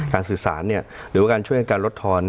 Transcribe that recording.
การสื่อสารเนี่ยหรือว่าการช่วยกับการรดทน